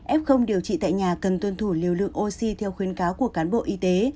f điều trị tại nhà cần tuân thủ liều lượng oxy theo khuyến cáo của cán bộ y tế